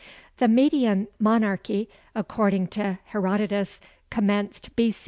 The Median monarchy, according to Herodotus, commenced B.